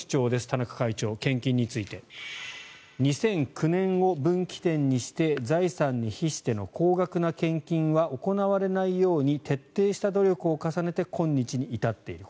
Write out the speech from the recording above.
田中会長、献金について２００９年を分岐点にして財産に比しての高額な献金は行われないように徹底した努力を重ねて今日に至っている。